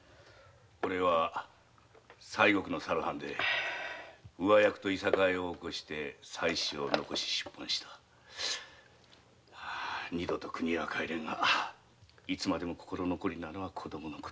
おれは西国のさる藩で上役といさかいを起こし妻子を残して国を出た二度と国へは帰れんがいつまでも心残りなのは子供のことだ。